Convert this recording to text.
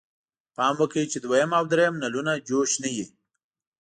پام وکړئ چې دویم او دریم نلونه جوش نه وي.